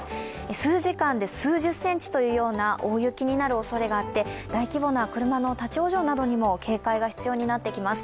数時間で数十センチというような大雪となるおそれがあって大規模な車の立往生などにも警戒が必要になってきます。